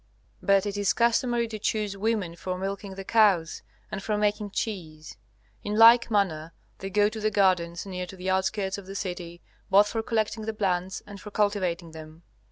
But it is customary to choose women for milking the cows and for making cheese. In like manner, they go to the gardens near to the outskirts of the city both for collecting the plants and for cultivating them.